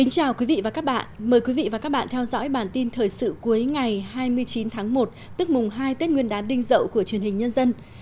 chào mừng quý vị đến với bản tin thời sự cuối ngày hai mươi chín tháng một tức mùng hai tết nguyên đán đinh dậu của truyền hình nhân dân